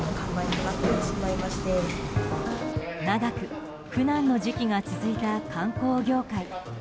長く苦難の時期が続いた観光業界。